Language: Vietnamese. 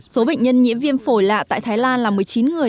số bệnh nhân nhiễm viêm phổi lạ tại thái lan là một mươi chín người